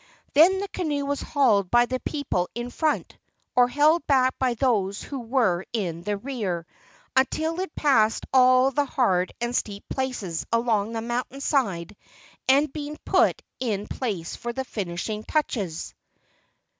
Then the canoe was hauled by the people in front, or held back by those who were in the rear, until it had passed all the hard and steep places along the mountain side and been put in place for the finishing touches.